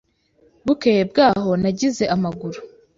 Bukeye bwaho, nagize amaguru.